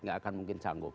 tidak akan mungkin sanggup